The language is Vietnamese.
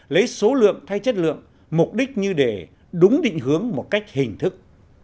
lấy số lượng thay chất lượng mục đích như để đúng định hướng một cách hình thức